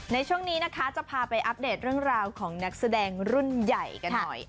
ในช่วงนี้นะคะจะพาไปอัปเดตเรื่องราวของนักแสดงรุ่นใหญ่กันหน่อย